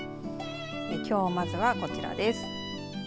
きょうまずは、こちらです。